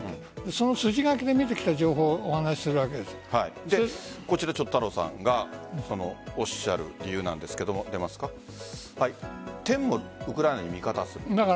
その筋書きで見てきた情報をこちら、太郎さんがおっしゃる理由なんですが天もウクライナに味方する。